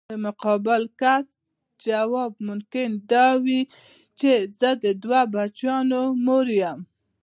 د مقابل کس ځواب ممکن دا وي چې زه د دوه بچیانو مور یم.